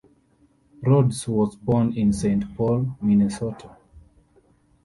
Rhodes was born in Saint Paul, Minnesota.